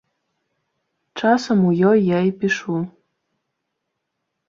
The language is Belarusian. Часам у ёй я і пішу.